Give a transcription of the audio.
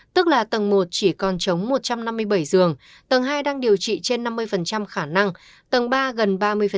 tức là tầng một chỉ còn trống một trăm năm mươi bảy giường tầng hai đang điều trị trên năm mươi khả năng tầng ba gần ba mươi